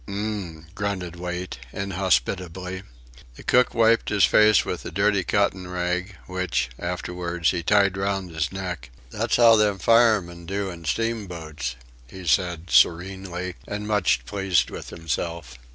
"H'm," grunted Wait, inhospitably. The cook wiped his face with a dirty cotton rag, which, afterwards, he tied round his neck. "That's how them firemen do in steamboats," he said, serenely, and much pleased with himself.